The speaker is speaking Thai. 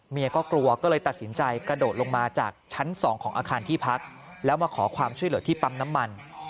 ก็กลัวก็เลยตัดสินใจกระโดดลงมาจากชั้น๒ของอาคารที่พักแล้วมาขอความช่วยเหลือที่ปั๊มน้ำมัน